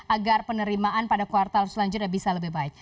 agar penerimaan pada kuartal selanjutnya bisa lebih baik